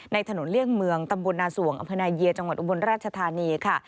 ถนนเลี่ยงเมืองตำบลนาสวงอำเภอนายเยียจังหวัดอุบลราชธานีค่ะ